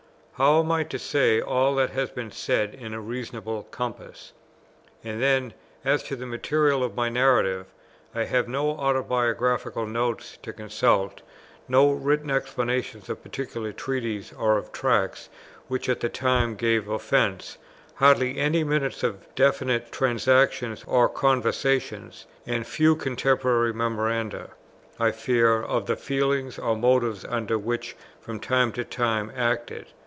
How am I to say all that has to be said in a reasonable compass? And then as to the materials of my narrative; I have no autobiographical notes to consult, no written explanations of particular treatises or of tracts which at the time gave offence, hardly any minutes of definite transactions or conversations, and few contemporary memoranda, I fear, of the feelings or motives under which, from time to time I acted.